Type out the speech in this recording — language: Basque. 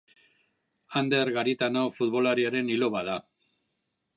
Ander Garitano futbolariaren iloba da.